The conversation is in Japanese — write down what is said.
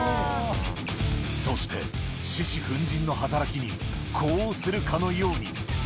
そして獅子奮迅の働きに呼応するかのように。